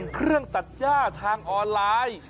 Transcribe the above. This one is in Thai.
เครื่องตัดย่าทางออนไลน์